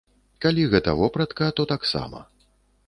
Калі гэта вопратка, то таксама.